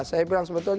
saya bilang sebetulnya